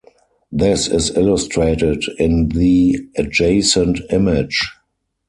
This is illustrated in the adjacent image.